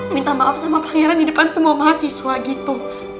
minta maaf sama pangeran di depan semua mahasiswa gitu